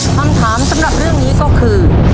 คำถามสำหรับเรื่องนี้ก็คือ